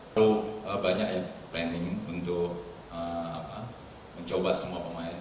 terlalu banyak ya planning untuk mencoba semua pemain